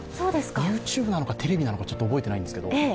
ＹｏｕＴｕｂｅなのかテレビなのかちょっと覚えてないんですけど。